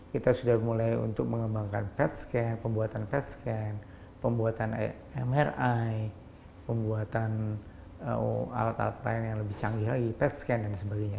kita sudah mulai untuk mengembangkan pet scan pembuatan pet scan pembuatan mri pembuatan alat alat lain yang lebih canggih lagi pet scan dan sebagainya